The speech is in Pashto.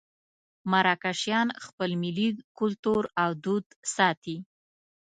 مراکشیان خپل ملي کولتور او دود ساتي.